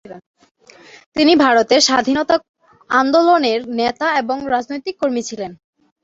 তিনি ভারতের স্বাধীনতা আন্দোলনের নেতা এবং রাজনৈতিক কর্মী ছিলেন।